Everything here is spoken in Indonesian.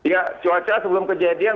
ya cuaca sebelum kejadian